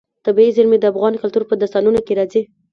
طبیعي زیرمې د افغان کلتور په داستانونو کې راځي.